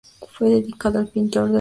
Fue dedicada al pintor Delacroix.